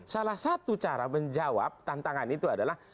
salah satu cara menjawab tantangan itu adalah